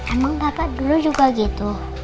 emang dapat dulu juga gitu